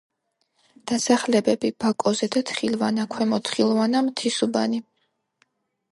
დასახლებები: ბაკო, ზედა თხილვანა, ქვემო თხილვანა, მთისუბანი.